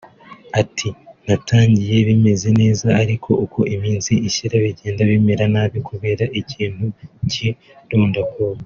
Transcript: Ati “Natangiye bimeze neza ariko uko iminsi ishira bigenda bimera nabi kubera ikintu cy’irondakoko